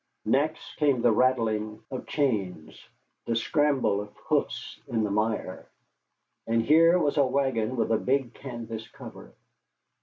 Next came the rattling of chains, the scramble of hoofs in the mire, and here was a wagon with a big canvas cover.